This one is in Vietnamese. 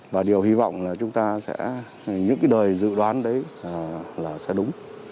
và điều hy vọng là chúng ta sẽ những cái đời dự đoán đấy là sẽ đúng